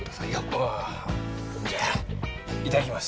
あぁじゃあいただきます。